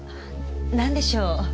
何でしょう？